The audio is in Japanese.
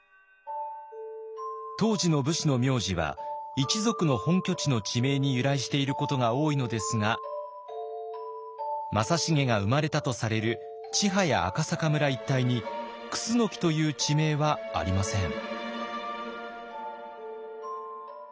当時の武士の名字は一族の本拠地の地名に由来していることが多いのですが正成が生まれたとされる千早赤阪村一帯に「楠木」という地名はありません。